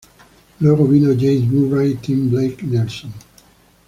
Luego, vino James Murray y Tim Blake Nelson.